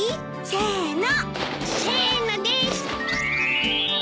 せのです。